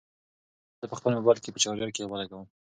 زه به خپل موبایل په چارجر کې ولګوم.